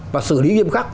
và xử lý nghiêm khắc